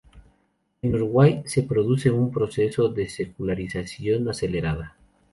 En Uruguay, se produce "un proceso de secularización acelerada".